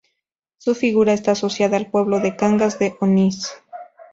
Su figura está asociada al pueblo de Cangas de Onís.